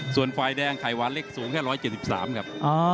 ส่วนไฟแดงไขวานเล็กสูงแค่๑๗๓กิโลกรัมครับ